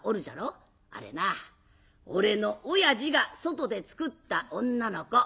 あれな俺のおやじが外でつくった女の子。